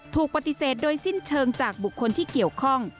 ถูกปฏิเสธโดยสิ้นเชิงจากบุคคลที่เกี่ยวข้อง